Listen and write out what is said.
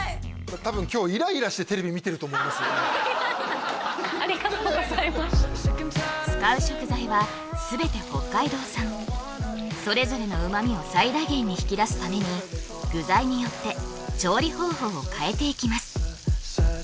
多分今日ありがとうございます使う食材は全て北海道産それぞれの旨味を最大限に引き出すために具材によって調理方法を変えていきます